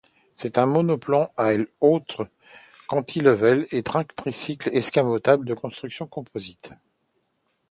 C'est un monoplan à aile haute cantilever et train tricycle escamotable de construction composite.